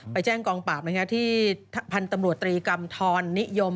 ไปแจ้งกองปราบนะครับที่พันธุ์ตำรวจตรีกรรมธรนิยม